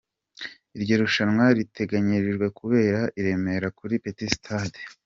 Iryo rushanwa riteganyijwe kubera i Remera kuri Petit Stade.